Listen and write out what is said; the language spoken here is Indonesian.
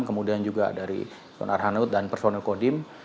kemudian juga dari sonarhanud dan personel kodim